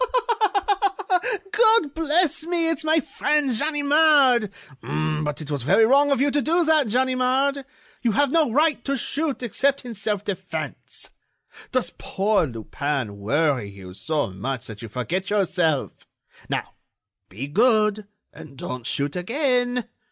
"God bless me! It's my friend Ganimard! But it was very wrong of you to do that, Ganimard. You have no right to shoot except in self defense. Does poor Lupin worry you so much that you forget yourself?... Now, be good, and don't shoot again!...